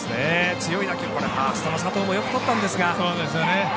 強い打球、ファーストの佐藤もよくとったんですが。